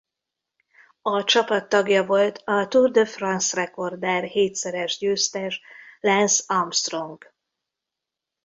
A csapat tagja volt a Tour de France-rekorder hétszeres győztes Lance Armstrong.